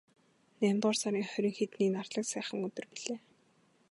Наймдугаар сарын хорин хэдний нарлаг сайхан өдөр билээ.